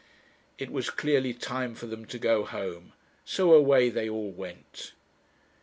It was clearly time for them to go home, so away they all went.